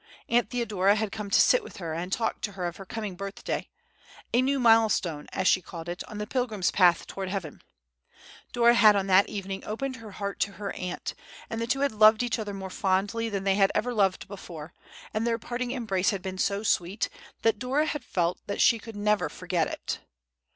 Aunt Theodora had come to sit with her, and talk to her of her coming birthday—a new milestone, as she called it, on the pilgrim's path towards heaven. Dora had on that evening opened her heart to her aunt, and the two had loved each other more fondly than they ever had loved before, and their parting embrace had been so sweet that Dora had felt that she could never forget it.